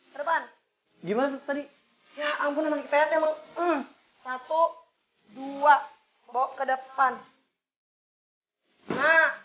ke depan gimana tadi ya ampun satu dua bawa ke depan